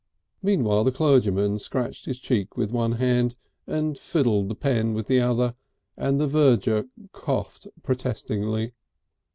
Meanwhile the clergyman scratched his cheek with one hand and fiddled the pen with the other and the verger coughed protestingly.